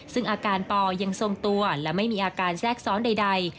ซึ่งอาการปอยังทรงตัวและไม่มีอาการแทรกซ้อนใด